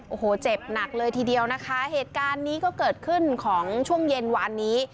โอ้โหเจ็บหนักเลยทีเดียวนะคะเหตุการณ์นี้ก็เกิดขึ้นของช่วงเย็นวานนี้